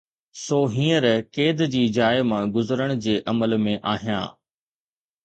سو هينئر قيد جي جاءِ مان گذرڻ جي عمل ۾ آهيان